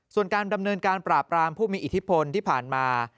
ส่วนการดำเนินการปราบรามผู้มีอิทธิพลที่ผ่านมา